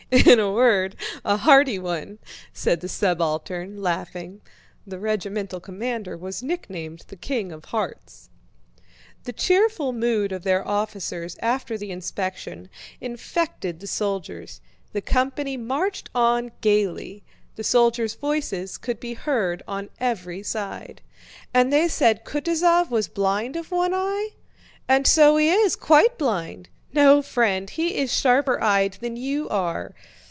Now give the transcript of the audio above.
"In a word, a hearty one..." said the subaltern, laughing (the regimental commander was nicknamed King of Hearts). The cheerful mood of their officers after the inspection infected the soldiers. The company marched on gaily. The soldiers' voices could be heard on every side. "And they said Kutúzov was blind of one eye?" "And so he is! Quite blind!" "No, friend, he is sharper eyed than you are.